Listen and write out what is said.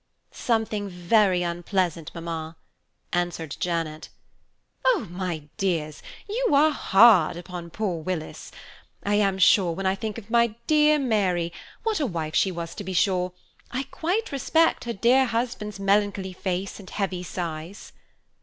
"Something very unpleasant, mamma," answered Janet. "Oh, my dears, you are hard upon poor Willis! I am sure when I think of my dear Mary (what a wife she was to be sure!) I quite respect her dear husband's melancholy face and heavy sighs."